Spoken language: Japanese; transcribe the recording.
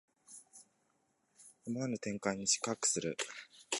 思わぬ展開に四苦八苦する